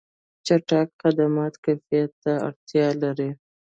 چټک خدمات کیفیت ته اړتیا لري.